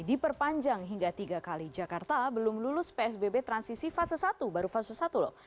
diperpanjang hingga tiga kali jakarta belum lulus psbb transisi fase satu baru fase satu loh